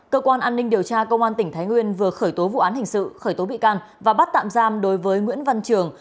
cơ quan an ninh điều tra công an tỉnh thái nguyên vừa khởi tố vụ án hình sự khởi tố bị can và bắt tạm giam đối với nguyễn văn trường